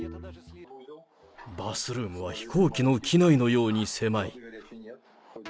バスルームは飛行機の機内のように狭い。